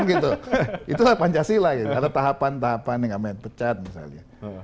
itulah pancasila ada tahapan tahapan yang nggak banyak pecat misalnya